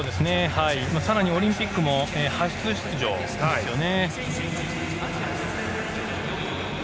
更に、オリンピックも初出場ですよね。